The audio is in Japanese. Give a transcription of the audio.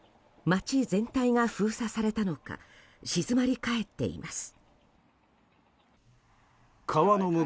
町全体が封鎖されたのか静まり返っています。